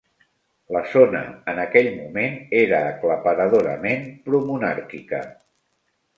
La zona en aquell moment era aclaparadorament promonàrquica.